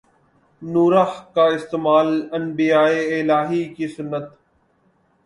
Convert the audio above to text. نورہ کا استعمال انبیائے الہی کی سنت